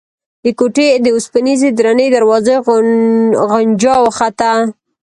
د کوټې د اوسپنيزې درنې دروازې غنجا وخته.